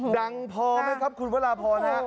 ดังพอไหมครับคุณวันลาพอนะครับ